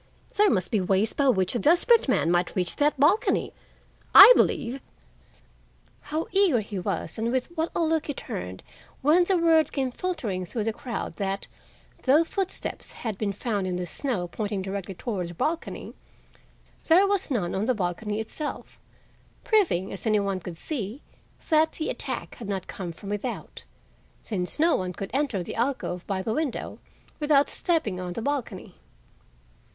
There must be ways by which a desperate man might reach that balcony. I believe—" How eager he was and with what a look he turned when the word came filtering through the crowd that, though footsteps had been found in the snow pointing directly toward the balcony, there was none on the balcony itself, proving, as any one could see, that the attack had not come from without, since no one could enter the alcove by the window without stepping on the balcony.